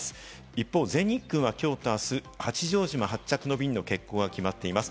一方、全日空はきょうとあす、八丈島発着の便の欠航が決まっています。